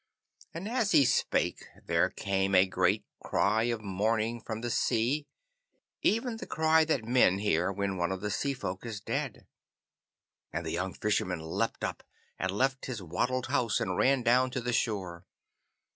And as he spake there came a great cry of mourning from the sea, even the cry that men hear when one of the Sea folk is dead. And the young Fisherman leapt up, and left his wattled house, and ran down to the shore.